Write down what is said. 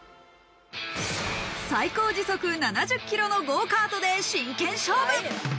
最高時速７０キロのゴーカートで真剣勝負。